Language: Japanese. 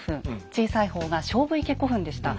小さい方が菖蒲池古墳でした。